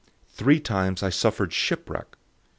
Three times I suffered shipwreck.